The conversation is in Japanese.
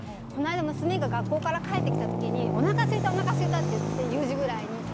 この間、娘が学校から帰ってきた時におなかすいた、おなかすいたって４時くらいに。